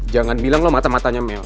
jangan bilang lo mata matanya mewah